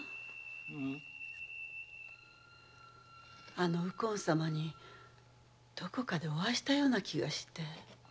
あの右近様にどこかでお会いしたような気がして。